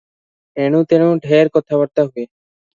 ଏଣୁ ତେଣୁ ଢେର କଥାବାର୍ତ୍ତା ହୁଏ ।